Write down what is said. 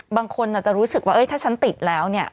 บางคนอาจจะรู้สึกว่าถ้าฉันติดแล้วเนี่ย